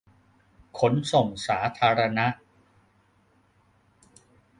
ขนส่งสาธารณะ